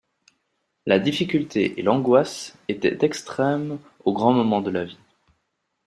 La difficulté et l'angoisse étaient extrêmes aux grands moments de la vie.